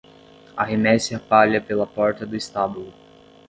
Arremesse a palha pela porta do estábulo.